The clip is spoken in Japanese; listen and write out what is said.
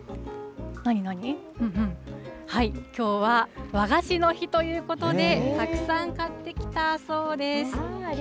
きょうは和菓子の日ということで、たくさん買ってきたそうです。